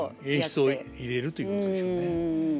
演出を入れるということでしょうね。